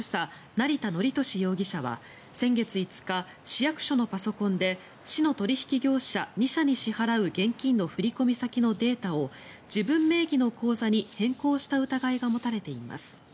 成田憲俊容疑者は先月５日市役所のパソコンで市の取引業者２社に支払う現金の振込先のデータを自分名義の口座に変更した疑いが持たれています。